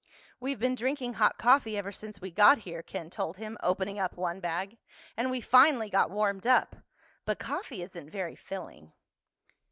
"We've been drinking hot coffee ever since we got here," Ken told him, opening up one bag, "and we finally got warmed up. But coffee isn't very filling."